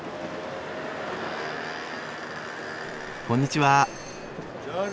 こんにちは。